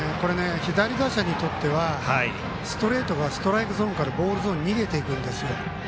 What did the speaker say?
左打者にとってはストレートがストライクゾーンからボールゾーンに逃げていくんですよ。